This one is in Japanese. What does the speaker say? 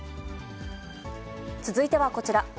続いてはこちら。